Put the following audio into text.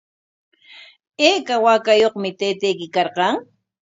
¿Ayka waakayuqmi taytayki karqan?